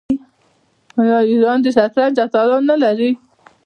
آیا ایران د شطرنج اتلان نلري؟